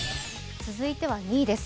続いては２位です。